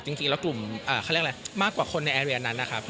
จริงแล้วกลุ่มมากกว่าคนในแอเรียนนั้นนะครับ